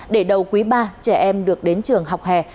để đầu quý ba trẻ em được đến trường học hè